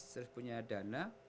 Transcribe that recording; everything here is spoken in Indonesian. terus punya dana